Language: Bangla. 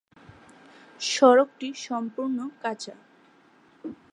সড়কটি সম্পূর্ণ কাঁচা।